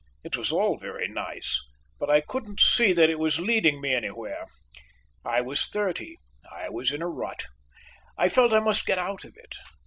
It was all very nice, but I couldn't see that it was leading me anywhere. I was thirty. I was in a rut. I felt I must get out of it.